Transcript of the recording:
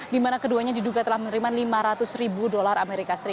di mana keduanya diduga telah menerima lima ratus ribu dolar as